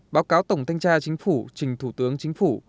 báo cáo tổng thanh tra chính phủ trình thủ tướng chính phủ